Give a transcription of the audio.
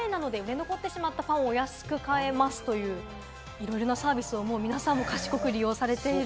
いろんなサービスを皆さん賢く利用されている。